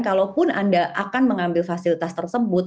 kalaupun anda akan mengambil fasilitas tersebut